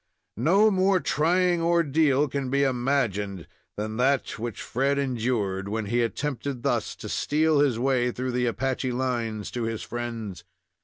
No more trying ordeal can be imagined than that which Fred endured when he attempted thus to steal his way through the Apache lines to his friends.